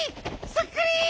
そっくり。